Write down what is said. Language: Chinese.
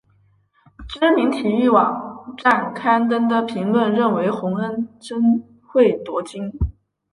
知名体育网站刊登的评论认为洪恩贞会夺金。